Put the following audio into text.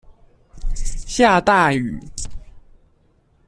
下大雨